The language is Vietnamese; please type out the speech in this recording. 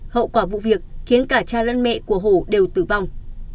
hậu quả vụ việc khiến cả cha lẫn mẹ của hồ đều tử vong